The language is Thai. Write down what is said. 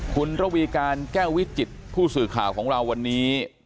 คุณระวีการแก้ววิจิตผู้สื่อข่าวของเราวันนี้